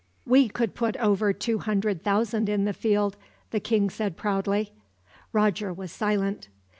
"We could put over two hundred thousand in the field," the king said proudly. Roger was silent.